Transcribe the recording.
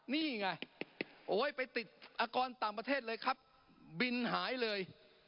นี่ไงโอ้ยไปติดอากรต่างประเทศเลยครับบินหายเลย